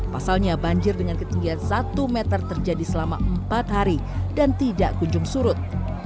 pasalnya banjir dengan ketinggian satu meter terjadi selama empat hari dan tidak kunjung surut